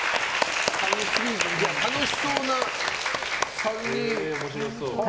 楽しそうな３人で。